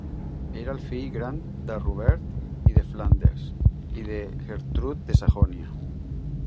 Era el fill gran de Robert I de Flandes i de Gertrude de Sajonia.